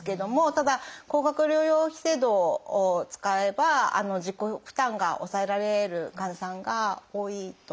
ただ高額療養費制度を使えば自己負担が抑えられる患者さんが多いと思います。